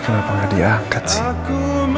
kenapa gak diangkat sih